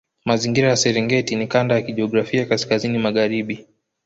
Mazingira ya Serengeti ni kanda ya kijiografia kaskazini magharibi